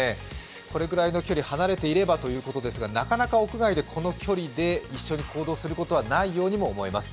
これくらいの距離離れていればということですが、なかなか屋外でこの距離で一緒に行動することはないような感じです。